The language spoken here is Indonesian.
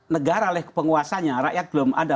negara oleh penguasanya rakyat belum ada